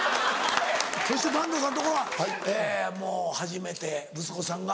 そして坂東さんのとこはえもう初めて息子さんが。